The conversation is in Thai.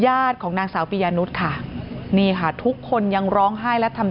ญาติของนางสาวปริยานุสนี่ค่ะทุกคนยังร้องไห้และทำ